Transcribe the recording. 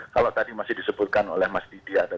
kalau tadi masih disebutkan oleh mas didi ada